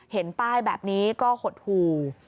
เห็นป้ายแบบนี้ก็หดหู่